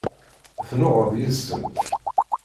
Tennuɣeḍ yid-sent?